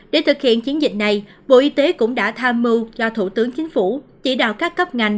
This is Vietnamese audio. để thực hiện chiến dịch này bộ y tế cũng đã tham mưu cho thủ tướng chính phủ chỉ đạo các cấp ngành